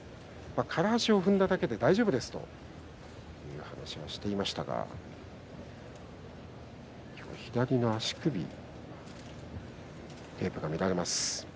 空足を踏んだだけで大丈夫ですという話をしていましたが今日は左の足首テープが見られます。